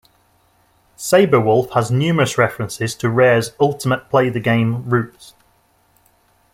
"Sabre Wulf" has numerous references to Rare's Ultimate Play the Game roots.